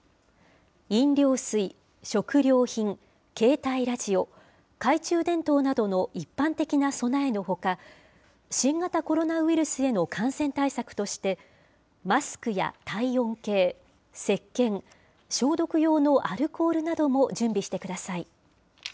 飲料水、食料品、携帯ラジオ、懐中電灯などの一般的な備えのほか、新型コロナウイルスへの感染対策として、マスクや体温計、せっけん、消毒用のアルコールなども準備してください。